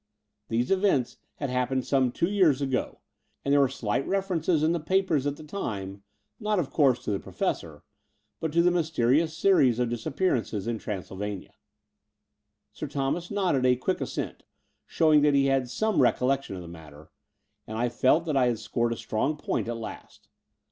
These events had happened some two years ago : and there were slight references in the papers at the time — ^not, of course, to the Professor, but to the mysterious series of disappearances in Transylvania. Sir Thomas nodded a quick assent, showing that he had some recollection of the matter; and I felt that I had scored a strong point at last.